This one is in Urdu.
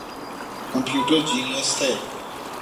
کمپیوٹر جینئس تھے۔